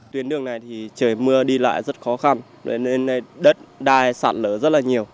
tuyến đường này thì trời mưa đi lại rất khó khăn nên đất đai sạt lở rất là nhiều